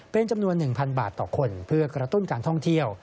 เป็นจำนวน๑๐๐บาทต่อคนเพื่อกระตุ้นการท่องเที่ยว